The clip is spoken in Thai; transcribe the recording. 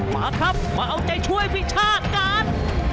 มาครับมาเอาใจช่วยพี่ชาติกัน